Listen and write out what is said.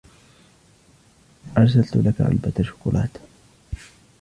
أرسلت لك علبة شكولاطة.